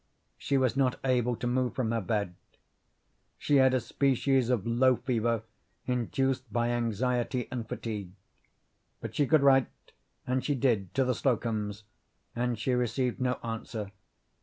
She was not able to move from her bed. She had a species of low fever induced by anxiety and fatigue. But she could write, and she did, to the Slocums, and she received no answer.